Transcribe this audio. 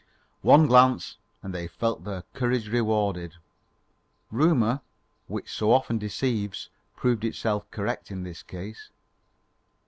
One glance and they felt their courage rewarded. Rumour, which so often deceives, proved itself correct in this case.